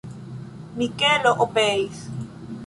Mikelo obeis.